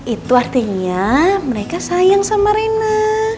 itu artinya mereka sayang sama rina